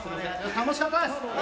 楽しかったです。